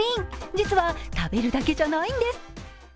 実は食べるだけじゃないんです。